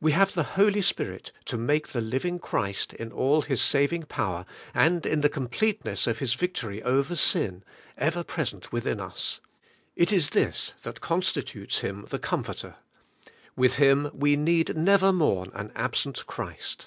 We have the Holy Spirit to make the living Christ, in all His saving power, and in the complete ness of His victory over sin, ever present within us. It is this that constitutes Him the Comforter: with Him we need never mourn an absent Christ.